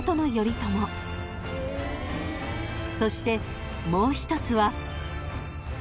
［そしてもう一つは］